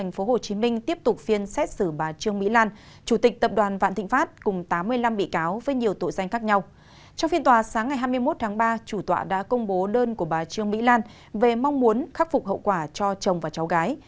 ngày hai mươi một tháng ba chủ tọa đã công bố đơn của bà trương mỹ lan về mong muốn khắc phục hậu quả cho chồng và cháu gái